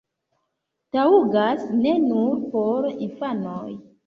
Taŭgas ne nur por infanoj!